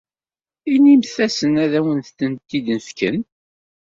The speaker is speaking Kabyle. Inimt-asen ad awent-tent-id-fken.